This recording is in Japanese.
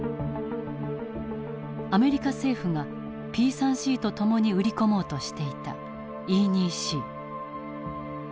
アメリカ政府がＰ３Ｃと共に売り込もうとしていたＥ２Ｃ。